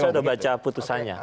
saya sudah baca putusannya